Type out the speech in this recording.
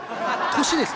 年です！